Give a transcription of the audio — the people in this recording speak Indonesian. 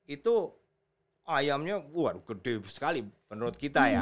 itu ayamnya waduh gede sekali menurut kita ya